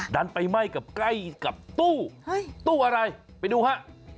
ดันไปไหม้กับใกล้กับตู้ตู้อะไรไปดูฮะ